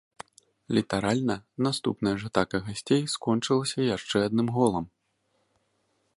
Літаральна наступная ж атака гасцей скончылася яшчэ адным голам.